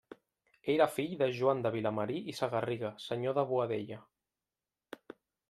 Era fill de Joan de Vilamarí i Sagarriga, senyor de Boadella.